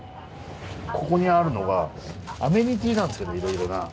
ここにあるのがアメニティーなんですけどいろいろな。